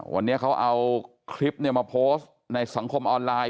วันนี้เขาเอาคลิปมาโพสต์ในสังคมออนไลน์